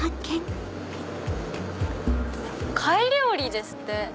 「貝料理」ですって。